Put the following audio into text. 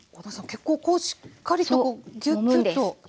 結構こうしっかりとギュッギュッと。